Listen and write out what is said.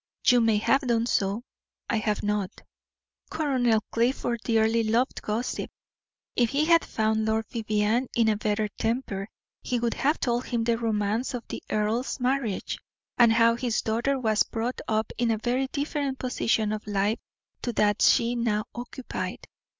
You may have done so: I have not." Colonel Clifford dearly loved gossip. If he had found Lord Vivianne in a better temper, he would have told him the romance of the earl's marriage, and how his daughter was brought up in a very different position of life to that she now occupied.